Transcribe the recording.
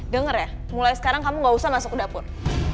dengar ya mulai sekarang kamu gak usah masuk ke dapur